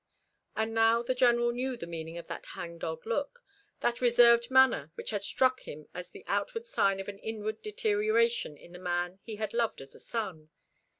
And now the General knew the meaning of that hang dog look, that reserved manner which had struck him as the outward sign of an inward deterioration in the man he had loved as a son.